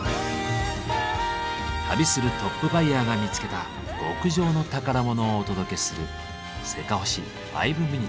旅するトップバイヤーが見つけた極上の宝物をお届けする「せかほし５ｍｉｎ．」。